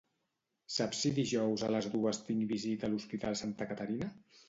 Saps si dijous a les dues tinc visita a l'hospital Santa Caterina?